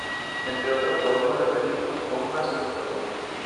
Entre otros podemos referir: "¡Cómo nacen los pollitos!